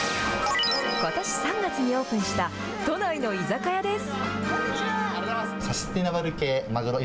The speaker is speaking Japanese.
ことし３月にオープンした都内の居酒屋です。